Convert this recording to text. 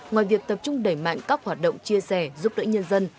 ngoài việc tập trung đẩy mạnh các hoạt động chia sẻ giúp đỡ nhân dân